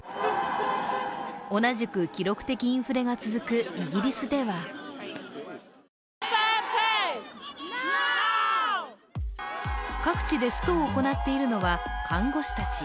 同じく記録的インフレが続くイギリスでは各地でストを行っているのは看護師たち。